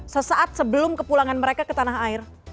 sesaat sebelum kepulangan mereka ke tanah air